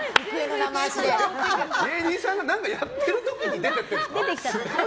芸人さんが何かやってる時に出てったんですか？